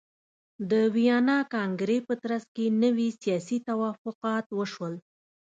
د ویانا کنګرې په ترڅ کې نوي سیاسي توافقات وشول.